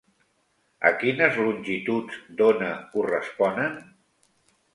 A quines longituds d'ona corresponen?